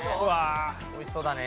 美味しそうだね。